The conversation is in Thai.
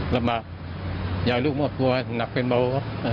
แล้วมาอยากลูกมอบครัวหนักเป็นเบา